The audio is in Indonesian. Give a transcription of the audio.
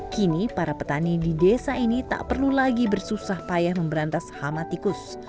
kini para petani di desa ini tak perlu lagi bersusah payah memberantas hama tikus